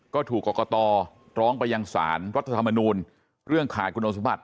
ก็ถูกกรกตร้องไปยังสารรัฐธรรมนูลเรื่องขาดคุณสมบัติ